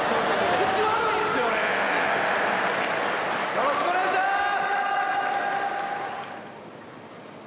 「よろしくお願いします」